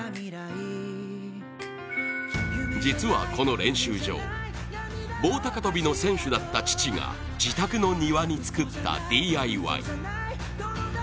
実はこの練習場、棒高跳びの選手だった父が自宅の庭に作ったＤＩＹ。